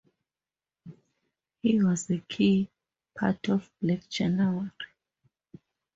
He was a key part of Black January.